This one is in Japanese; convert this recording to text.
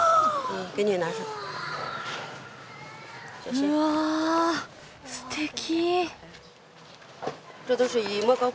うわすてき！